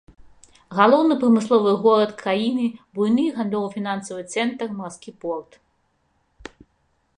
Галоўны прамысловы горад краіны, буйны гандлёва-фінансавы цэнтр, марскі порт.